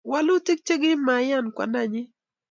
wolutik chekimaiyan kwandanyin